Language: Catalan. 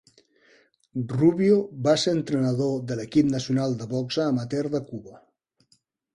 Rubio va ser entrenador de l'equip nacional de boxa amateur de Cuba.